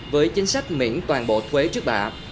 với chính sách miễn toàn bộ thuế trước bạ